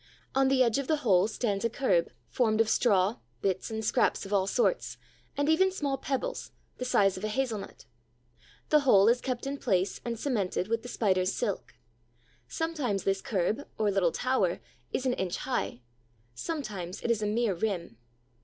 On the edge of the hole stands a curb, formed of straw, bits and scraps of all sorts, and even small pebbles, the size of a hazel nut. The whole is kept in place and cemented with the Spider's silk. Sometimes this curb, or little tower, is an inch high; sometimes it is a mere rim.